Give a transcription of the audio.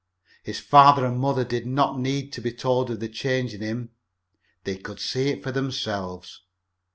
His father and mother did not need to be told of the change in him. They could see it for themselves.